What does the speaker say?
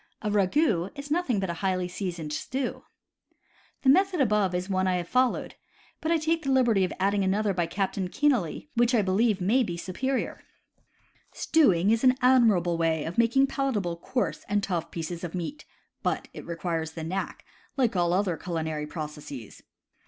A ragout is nothing but a highly seasoned stew. The method given above is the one I have followed; but I take the liberty of adding another by Captain Kenealy, which I believe may be superior: Stewing is an admirable way of making palatable coarse and tough pieces of meat, but it requires the knack, like all other culinary processes.